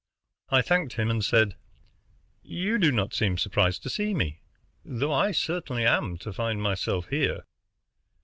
I thanked him, and said, "You do not seem surprised to see me, though I certainly am to find myself here."